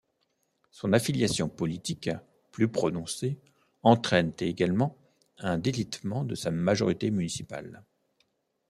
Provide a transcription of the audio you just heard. Son affiliation politique plus prononcée entraîne également un délitement de sa majorité municipale.